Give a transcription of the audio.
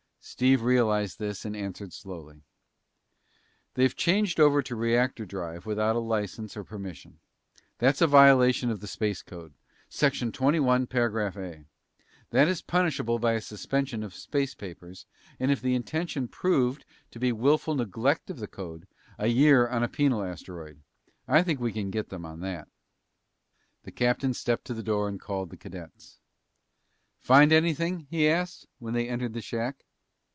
Steve realized this and answered slowly. "They've changed over to reactor drive without a license or permission. That's a violation of the space code, section twenty one, paragraph A. That is punishable by a suspension of space papers, and if the intention proved to be willful neglect of the code, a year on a penal asteroid. I think we can get them on that." The captain stepped to the door and called the cadets. "Find anything?" he asked, when they entered the shack.